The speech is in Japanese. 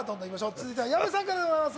続いては矢部さんからでございます。